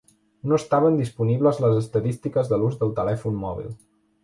No estaven disponibles les estadístiques de l'ús del telèfon mòbil.